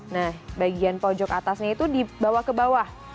nah bagian pojok atasnya itu dibawa ke bawah